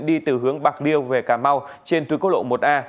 đi từ hướng bạc điêu về cà mau trên túi cốt lộ một a